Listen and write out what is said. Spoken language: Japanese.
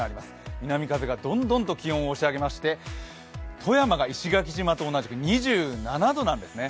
南風がどんどんと気温を押し上げまして、富山が石垣島と同じく２７度なんですね。